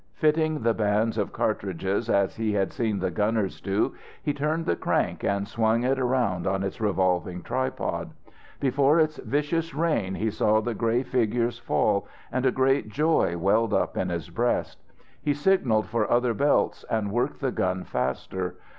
Fitting the bands of cartridges as he had seen the gunners do, he turned the crank and swung it round on its revolving tripod. Before its vicious rain he saw the grey figures fall, and a great joy welled up in his breast. He signalled for other belts and worked the gun faster.